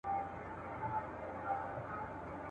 زه له بویه د باروتو ترهېدلی ..